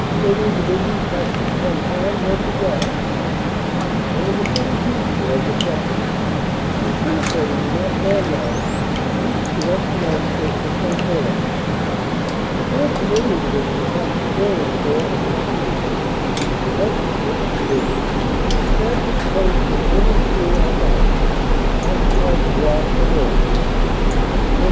Canadian Division cap tured Fontaine Notre Dame (one of the XVII Corps objectives), and, penetrating the Marcoing line, reached the western outskirts of St. Olle. The 4th. Canadian Division cap tured Raillencourt and Sailly, and the llth. (British) Divi sion established posts in Aubencheul au Bac and occupied the Bois de Quesnoy. The 1st.